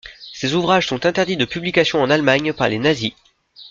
Ses ouvrages sont interdits de publication en Allemagne par les Nazis.